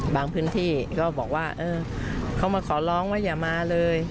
พื้นที่ก็บอกว่าเขามาขอร้องว่าอย่ามาเลย